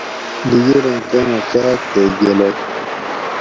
ڈیگیریں ٹیمہ کاۤک تے گلوئ